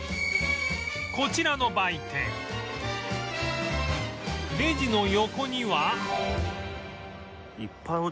こちらの売店レジの横には